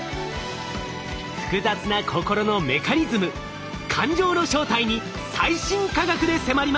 複雑な心のメカニズム感情の正体に最新科学で迫ります。